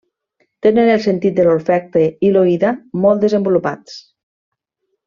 Tenen el sentit de l'olfacte i l'oïda molt desenvolupats.